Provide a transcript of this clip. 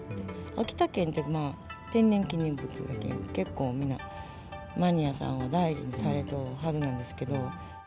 秋田犬ってまあ、天然記念物だから、結構みんな、マニアさんは大事にされているはずなんですけど。